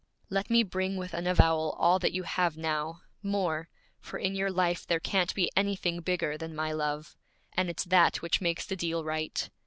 'Let me bring with an avowal all that you have now, more! for in your life there can't be anything bigger than my love. And it's that which makes the deal right.